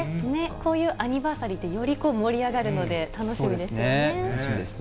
こういうアニバーサリーって、より盛り上がるので、楽しみですよね。